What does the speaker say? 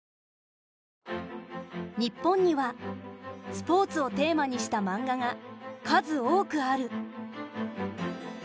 日本にはスポーツをテーマにしたマンガが数多くある。